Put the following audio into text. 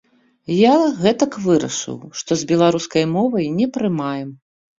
Я гэтак вырашыў, што з беларускай мовай не прымаем.